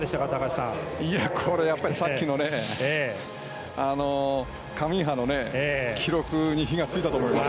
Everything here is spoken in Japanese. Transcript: さっきのカミンハの記録に火がついたと思います。